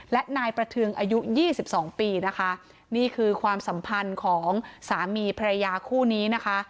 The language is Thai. และนายประเทืองอายุยี่สิบสองปีนะคะนี่คือความสัมพันธ์ของสามีภรรยาคู่นี้นะคะ